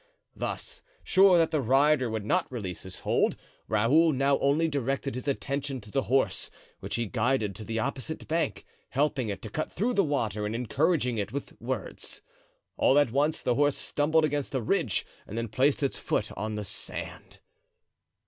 Thus, sure that the rider would not release his hold, Raoul now only directed his attention to the horse, which he guided to the opposite bank, helping it to cut through the water and encouraging it with words. All at once the horse stumbled against a ridge and then placed its foot on the sand.